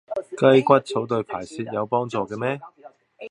雞骨草對排泄有幫助嘅咩？